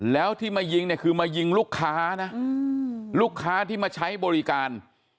แล้วที่มายิงเนี่ยคือมายิงลูกค้านะลูกค้าที่มาใช้บริการ